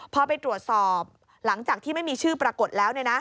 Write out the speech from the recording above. พอไปตรวจสอบหลังจากที่ไม่มีชื่อปรากฏแล้ว